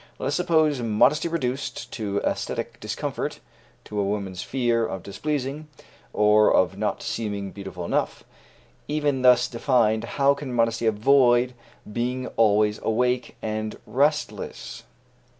Let us suppose modesty reduced to æsthetic discomfort, to a woman's fear of displeasing, or of not seeming beautiful enough. Even thus defined, how can modesty avoid being always awake and restless?